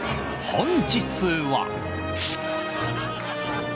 本日は。